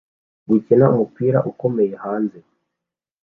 gukina umupira ukomeye hanze